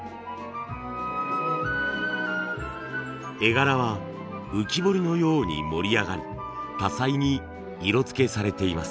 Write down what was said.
絵柄は浮き彫りのように盛り上がり多彩に色つけされています。